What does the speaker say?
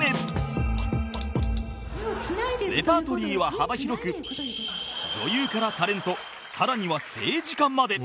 レパートリーは幅広く女優からタレント更には政治家まで